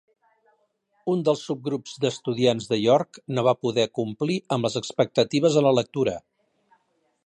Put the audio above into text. Un dels tres subgrups d'estudiants de York no va poder complir amb les expectatives en la lectura.